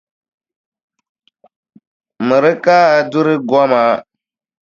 Miri ka a duri goma.